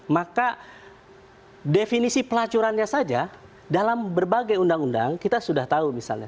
maka definisi pelacurannya saja dalam berbagai undang undang kita sudah tahu misalnya